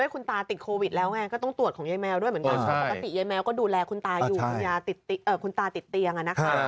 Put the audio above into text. คุณตาติดเตียง